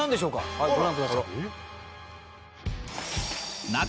はいご覧ください。